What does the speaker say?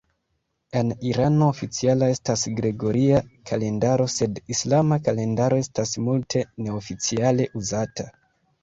En Irano oficiala estas gregoria kalendaro sed islama kalendaro estas multe neoficiale uzata.